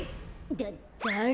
だだれ？